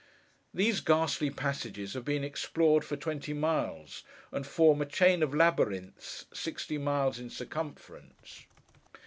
These ghastly passages have been explored for twenty miles; and form a chain of labyrinths, sixty miles in circumference.